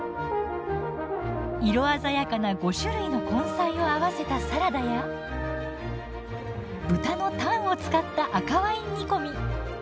色鮮やかな５種類の根菜を合わせたサラダや豚のタンを使った赤ワイン煮込み。